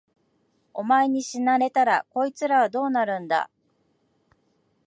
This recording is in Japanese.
お前に死なれたら、こいつらはどうなるんだ。